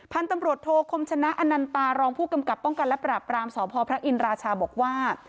พันธุ์ตำรวจโทคมชนะอนันตารองผู้กำกับป้องกันและปราบรามสพพระอินราชาบอกว่า